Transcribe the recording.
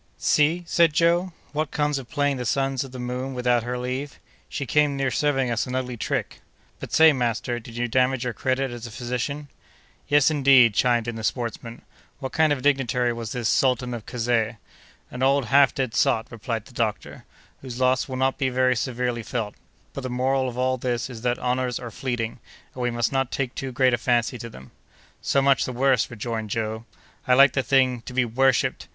"See," said Joe, "what comes of playing the sons of the moon without her leave! She came near serving us an ugly trick. But say, master, did you damage your credit as a physician?" "Yes, indeed," chimed in the sportsman. "What kind of a dignitary was this Sultan of Kazeh?" "An old half dead sot," replied the doctor, "whose loss will not be very severely felt. But the moral of all this is that honors are fleeting, and we must not take too great a fancy to them." "So much the worse!" rejoined Joe. "I liked the thing—to be worshipped!